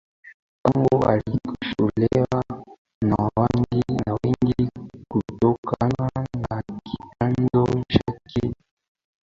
Mpango alikosolewa na wengi kutokana na kitendo chake cha kufanya mkutano na waandishi wa